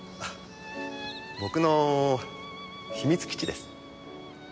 僕の秘密基地です。